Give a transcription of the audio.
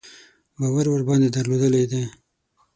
باور ورباندې درلودلی دی.